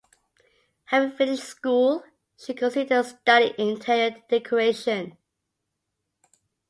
Having finished school, she considered studying interior decoration.